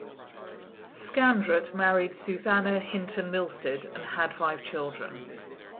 Scandrett married Susannah Hinton Milstead and had five children.